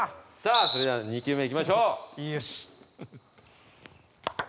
さあ、それでは２球目いきましょう。